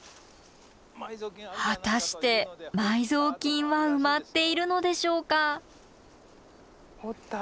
果たして埋蔵金は埋まっているのでしょうか？